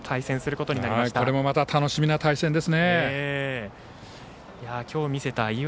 これも楽しみな対戦ですね。